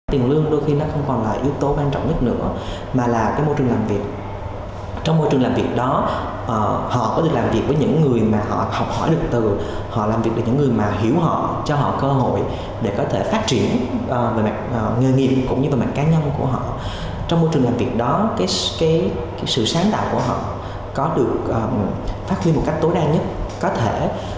trong môi trường làm việc đó sự sáng tạo của họ có được phát huy một cách tối đa nhất có thể